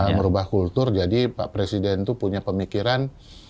merubah kultur jadi pak presiden itu punya pemikiran